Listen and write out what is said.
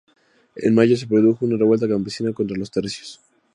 En mayo se produjo una revuelta campesina contra los tercios.